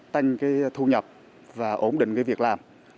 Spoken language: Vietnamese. tăng thu nhập và ổn định việc làm